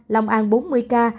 lòng an bốn mươi ca